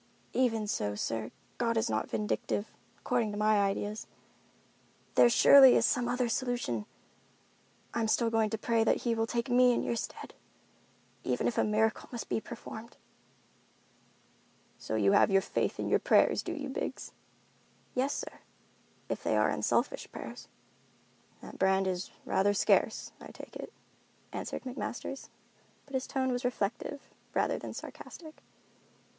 "Even so, sir, God is not vindictive, according to my ideas. There surely is some other solution. I'm still going to pray that He will take me in your stead, even if a miracle must be performed." "So you have faith in your prayers, do you, Biggs?" "Yes, sir, if they are unselfish prayers." "That brand is rather scarce, I take it," answered McMasters, but his tone was reflective rather than sarcastic.